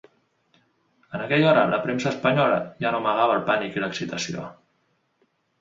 En aquella hora la premsa espanyola ja no amagava el pànic i l’excitació.